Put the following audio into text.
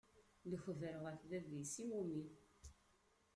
Lekber ɣef bab-is, iwumi?